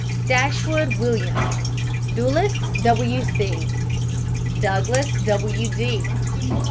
DASHWOOD, WILLIAM. DULLES, W. C. DOUGLAS, W. D.